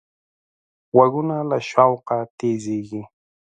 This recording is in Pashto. غوږونه له شوقه تیزېږي